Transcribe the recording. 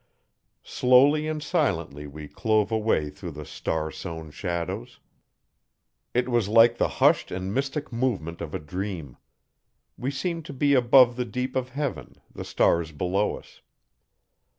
Slowly and silently we clove a way through the star sown shadows. It was like the hushed and mystic movement of a dream. We seemed to be above the deep of heaven, the stars below us.